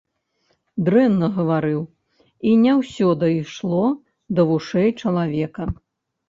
Дрэнна гаварыў, і не ўсё дайшло да вушэй чалавека.